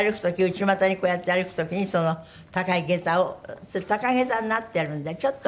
内股にこうやって歩く時にその高い下駄をそれ高下駄になってるんでちょっと。